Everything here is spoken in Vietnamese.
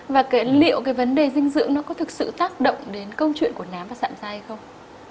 và liệu cái vấn đề dinh dưỡng nó có thực sự tác động đến câu chuyện của nám và sạm dài hay không